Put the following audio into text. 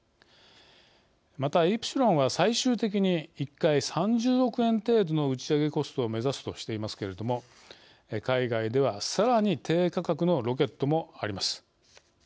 また、イプシロンは最終的に１回３０億円程度の打ち上げコストを目指すとしていますけれども海外では、さらに低価格のロケットもあります。